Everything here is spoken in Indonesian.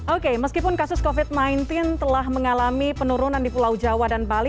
oke meskipun kasus covid sembilan belas telah mengalami penurunan di pulau jawa dan bali